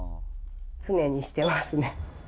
常にしてますね。